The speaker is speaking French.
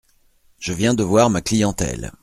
Je viens de voir ma clientèle.